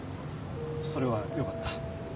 それはよかった。